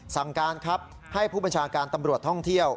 สั่งการครับให้ผู้บัญชาการตำรวจท่องเที่ยว